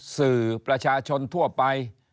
สื่อประชาชนทั่วไป